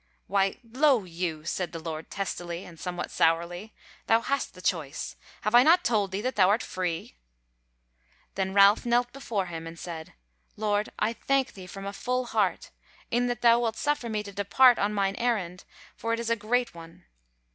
"Why, lo you!" said the Lord testily, and somewhat sourly; "thou hast the choice. Have I not told thee that thou art free?" Then Ralph knelt before him, and said: "Lord, I thank thee from a full heart, in that thou wilt suffer me to depart on mine errand, for it is a great one."